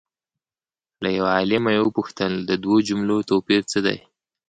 له یو عالمه یې وپوښتل د دوو جملو توپیر څه دی؟